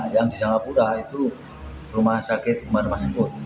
yang di jawa pura itu rumah sakit rumah masjid